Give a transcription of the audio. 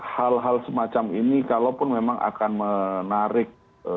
hal hal semacam ini kalaupun memang akan menarik